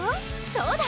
そうだ！